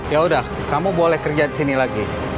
yaudah kamu boleh kerja di sini lagi